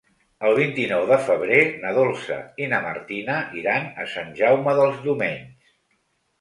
El vint-i-nou de febrer na Dolça i na Martina iran a Sant Jaume dels Domenys.